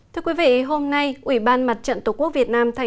thưa quý vị hôm nay ủy ban mặt trận tổ quốc việt nam tp hcm